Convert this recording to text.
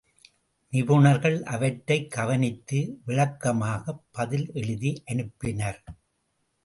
நிபுணர்கள் அவற்றைக் கவனித்து விளக்கமாகப் பதில் எழுதி அனுப்பினர்.